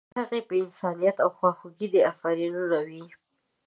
د هغې په انسانیت او خواخوږۍ دې افرینونه وي.